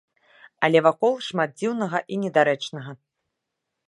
Але вакол шмат дзіўнага і недарэчнага.